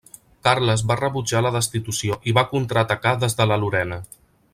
Carles va rebutjar la destitució i va contraatacar des de la Lorena.